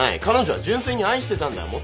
彼女は純粋に愛してたんだ。